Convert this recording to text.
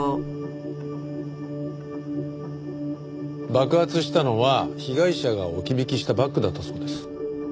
爆発したのは被害者が置き引きしたバッグだったそうです。